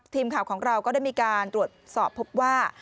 ทีมข่าวของเราก็ได้มีการตรวจสอบพบว่า